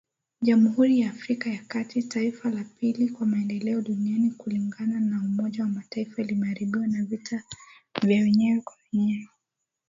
Jamhuri ya Afrika ya kati, taifa la pili kwa maendeleo duniani kulingana na Umoja wa Mataifa limeharibiwa na vita vya wenyewe kwa wenyewe.